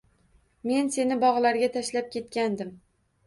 Men seni bog‘larga tashlab ketgandim